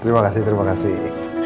terima kasih terima kasih